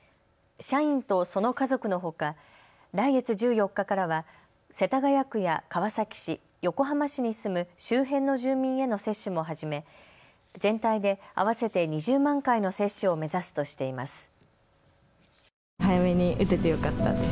社員とその家族のほか来月１４日からは世田谷区や川崎市、横浜市に住む周辺の住民への接種も始め全体で合わせて２０万回の接種を目指すとしています。